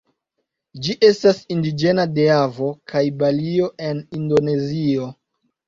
Ĝi estas indiĝena de Javo kaj Balio en Indonezio.